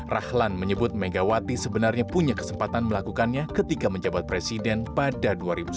rahlan menyebut megawati sebenarnya punya kesempatan melakukannya ketika menjabat presiden pada dua ribu sembilan belas